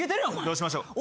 どうしましょう。